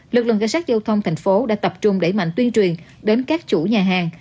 lực lượng cảnh sát giao thông thành phố đã tập trung đẩy mạnh tuyên truyền đến các chủ nhà hàng